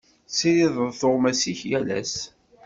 Tessirideḍ tuɣmas-ik yal ass.